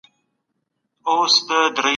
لويه جرګه به د ګاونډيو هېوادونو سره اړيکي وڅېړي.